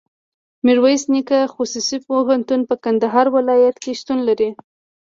ميرویس نيکه خصوصي پوهنتون په کندهار ولایت کي شتون لري.